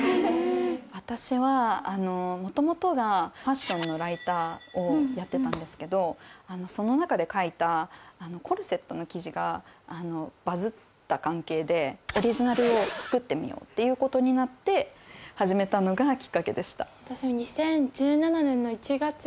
私は元々がファッションのライターをやってたんですけどその中で書いたオリジナルを作ってみようっていうことになって始めたのがきっかけでした